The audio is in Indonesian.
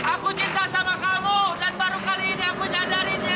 aku cinta sama kamu dan baru kali ini aku menyadarinya